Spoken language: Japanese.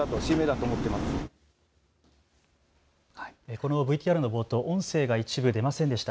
このＶＴＲの冒頭、音声が一部出ませんでした。